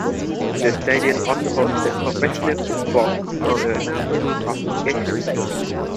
The stadium also hosted professional football on a number of occasions.